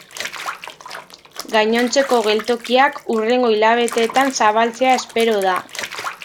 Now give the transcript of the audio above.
Gainontzeko geltokiak hurrengo hilabetetan zabaltzea espero da.